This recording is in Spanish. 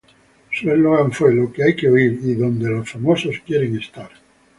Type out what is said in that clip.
Su eslogan fue "Lo que hay que oír" y "Donde los famosos quieren estar".